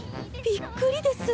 びっくりです。